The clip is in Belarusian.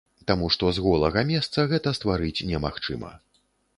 Таму што з голага месца гэта стварыць немагчыма.